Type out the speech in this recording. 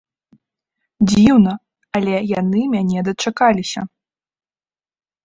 Дзіўна, але яны мяне дачакаліся.